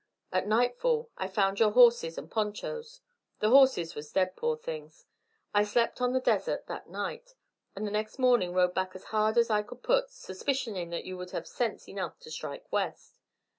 At nightfall I found your horses and ponchos the horses was dead, poor things. I slept on the desert that night, and the next mornin' rode back as hard as I could put, suspicionin' that you would have sense enough to strike west.